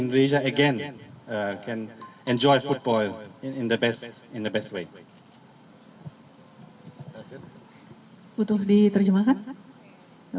bersama dengan solidaritas dan untuk bekerja bersama dengan pemerintah